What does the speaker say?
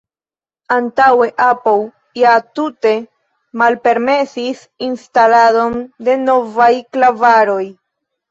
Antaŭe Apple ja tute malpermesis instaladon de novaj klavaroj.